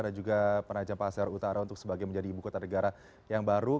dan juga penajam pasir utara untuk sebagai menjadi ibu kota negara yang baru